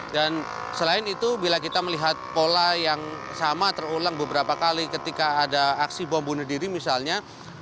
dan selain itu bila kita melihat pola yang sama terulang beberapa kali ketika ada aksi bom bunuh diri misalnya